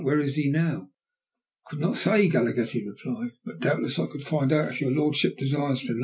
Where is he now?" "I could not say," Galaghetti replied. "But doubtless I could find out if your lordship desires to know."